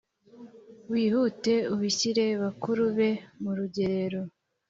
wihute ubishyire bakuru bawe mu rugerero